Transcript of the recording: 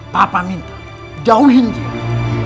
papa minta jauhin dia